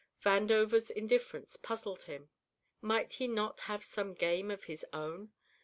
Vandover's indifference puzzled him. Might he not have some game of his own?